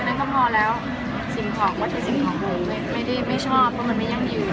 แล้วก็พอแล้วสิ่งของว่าจะสิ่งของผมไม่ชอบเพราะมันไม่ยังดี